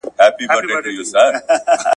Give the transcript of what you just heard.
خو باید ترې واوړو او مخکې لاړ شو.